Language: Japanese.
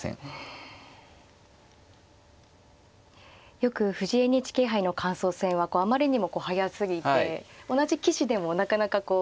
よく藤井ＮＨＫ杯の感想戦はあまりにも速すぎて同じ棋士でもなかなかこう。